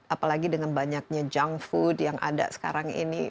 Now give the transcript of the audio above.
apalagi dengan banyaknya junk food yang ada sekarang ini